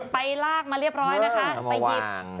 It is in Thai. ไปลากมาเรียบร้อยนะคะไปหยิบ